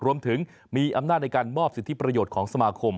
รวมถึงมีอำนาจในการมอบสิทธิประโยชน์ของสมาคม